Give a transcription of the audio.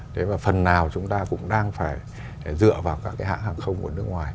thế mà phần nào chúng ta cũng đang phải dựa vào các cái hãng hàng không của nước ngoài